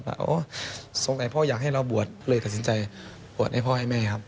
แบบโอ๊ยตอนไหนพ่ออยากให้เราบวช